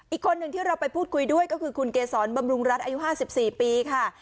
อีกคนหนึ่งที่เราไปพูดคุยด้วยก็คือคุณเกษรบำรุงรัฐอายุ๕๔ปีค่ะ